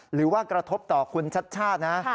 หรือว่ากระทบต่อคุณชัดชาตินะ